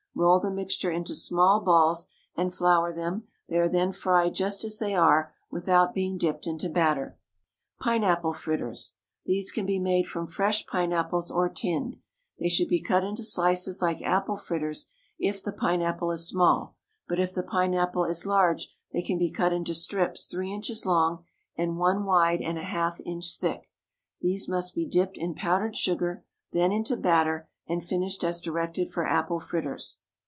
Roll the mixture into small balls and flour them; they are then fried just as they are, without being dipped into batter. PINE APPLE FRITTERS. These can be made from fresh pine apples or tinned. They should be cut into slices like apple fritters if the pine apple is small, but if the pine apple is large they can be cut into strips three inches long and one wide and half an inch thick. These must be dipped in powdered sugar, then into batter, and finished as directed for apple fritters.